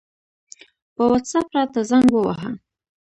په وټساپ راته زنګ ووهه